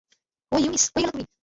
ঐ, ইউনিস্, কই গেলা তুমি?